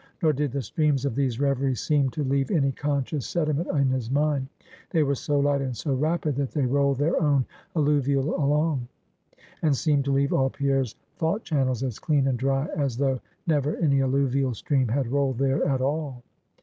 Nor did the streams of these reveries seem to leave any conscious sediment in his mind; they were so light and so rapid, that they rolled their own alluvial along; and seemed to leave all Pierre's thought channels as clean and dry as though never any alluvial stream had rolled there at all.